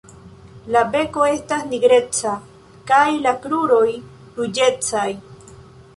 La beko estas nigreca kaj la kruroj ruĝecaj.